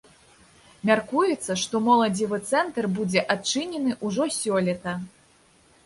Мяркуецца, што моладзевы цэнтр будзе адчынены ўжо сёлета.